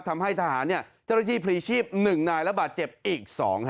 ทำให้ทหารเนี่ยจะได้ที่ผลิชีพหนึ่งนายแล้วบาดเจ็บอีกสองฮะ